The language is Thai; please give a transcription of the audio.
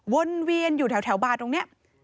วนเวียนอยู่แถวบาร์ตรงนี้